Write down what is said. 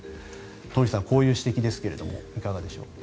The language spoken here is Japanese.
東輝さん、こういう指摘ですがいかがでしょうか。